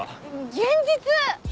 現実！